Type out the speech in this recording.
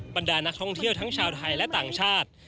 บรรดานักท่องเที่ยวทั้งชาวไทยและต่างชาติ